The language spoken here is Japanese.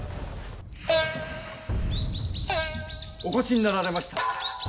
お越しになられました。